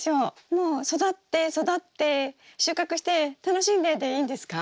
もう育って育って収穫して楽しんででいいんですか？